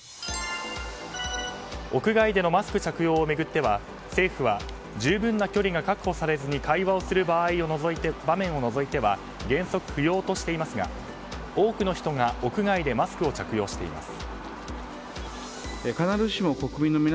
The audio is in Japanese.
屋外でのマスク着用を巡っては政府は十分な距離が確保されずに会話をする場面を除いては原則不要としていますが多くの人が屋外でマスクを着用しています。